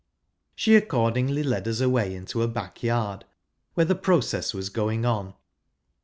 Slie I accordingly led us away into a back yard, where the process was going on.